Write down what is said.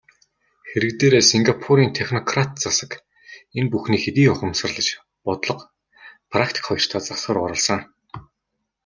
Хэрэг дээрээ Сингапурын технократ засаг энэ бүхнийг хэдийн ухамсарлаж бодлого, практик хоёртоо засвар оруулсан.